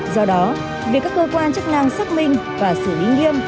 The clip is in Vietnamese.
do đó việc các cơ quan chức năng xác minh và xử lý nghiêm